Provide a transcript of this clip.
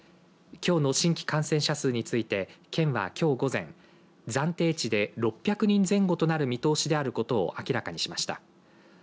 きょうの新規感染者数について県は、きょう午前暫定値で６００人前後となる見通しであることを明らかにしました。